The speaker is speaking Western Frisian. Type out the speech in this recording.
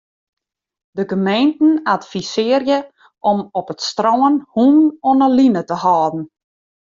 De gemeenten advisearje om op it strân hûnen oan 'e line te hâlden.